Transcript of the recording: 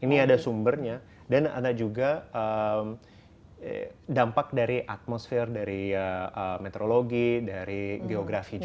ini ada sumbernya dan ada juga dampak dari atmosfer dari meteorologi dari geografi juga